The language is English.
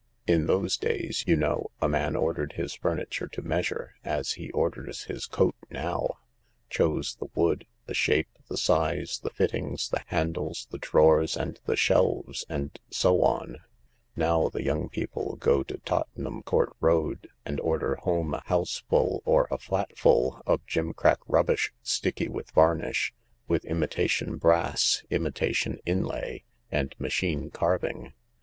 In those days, you know, a man ordered his furniture to measure as he orders his coat now — chose the wood, the shape, the size, the fittings, the handles, the drawers and the shelves, and so on. Now the young people go to Tottenham Court Road and order home a houseful — or a flatful — of gimcrack rubbish, sticky with varnish, with imitation brass, imitation inlay, and machine carving.